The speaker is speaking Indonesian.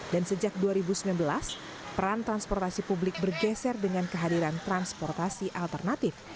sejak dua ribu sembilan belas peran transportasi publik bergeser dengan kehadiran transportasi alternatif